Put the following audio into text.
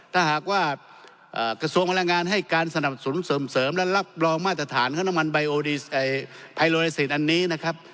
ถ้าหากว่ากระทรวงพลังงานให้การสนับสนุนเสริมและรับรองมาตรฐานของน้ำมันไดีโลเลสิทธิ์อันนี้นะครับ